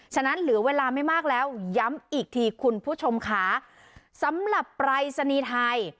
ฉะนั้นเหลือเวลาไม่มากแล้วย้ำอีกทีคุณผู้ชมค่ะสำหรับปรายศนีย์ไทย